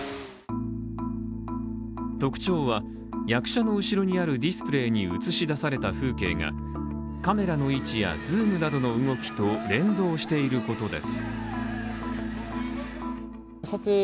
特徴は役者の後ろにあるディスプレイに映し出された風景がカメラの位置やズームなどの動きと連動していることです。